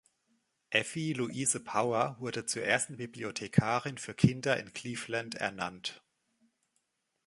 Effie Louise Power wurde zur ersten Bibliothekarin für Kinder in Cleveland ernannt.